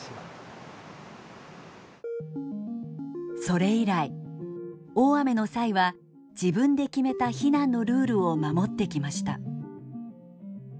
それ以来大雨の際は自分で決めた避難のルールを守ってきました。